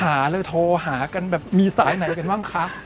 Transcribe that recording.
หาหรือโทรหากันแบบมีสายไหนเป็นว่างครับ